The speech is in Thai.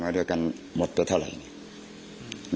มีเรื่องอะไรมาคุยกันรับได้ทุกอย่าง